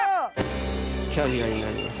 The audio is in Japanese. キャビアになります。